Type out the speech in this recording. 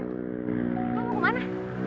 lo mau kemana